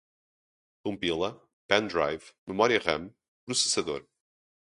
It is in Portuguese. compila, pen drive, memória ram, processador